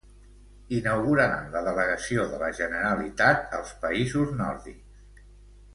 Inauguraran la delegació de la Generalitat als països nòrdics.